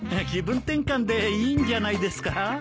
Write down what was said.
気分転換でいいんじゃないですか。